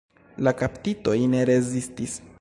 La kaptitoj ne rezistis.